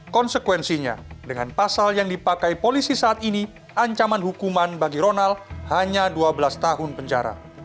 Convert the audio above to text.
konsekuensinya dengan pasal yang dipakai polisi saat ini ancaman hukuman bagi ronald hanya dua belas tahun penjara